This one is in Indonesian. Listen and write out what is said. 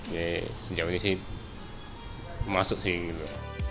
jadi sejauh ini sih masuk sih gitu